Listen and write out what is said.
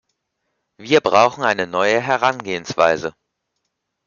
Wir brauchen eine neue Herangehensweise.